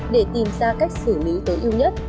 để tìm ra cách xử lý tối ưu nhất